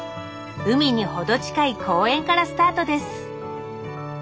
海に程近い公園からスタートです